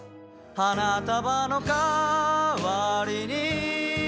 花束のかわりに